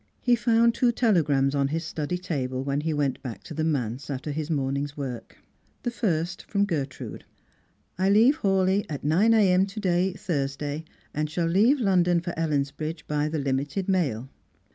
He found two telegrams on his study table when he went back to the manse after his morning's work. The first from Gertrude, " I leave Hawleigh at 9 a.m. to day, Thursday, and shall leave London for Ellensbridge by the limited mail."